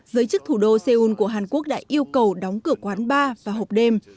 giới chức thủ đô seoul của hàn quốc đã yêu cầu đóng cửa quán bar và hộp đêm